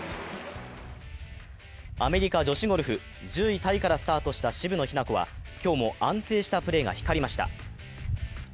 アメリカ女子ゴルフ、１０位タイからスタートした渋野日向子は今日も安定したプレーが光りました。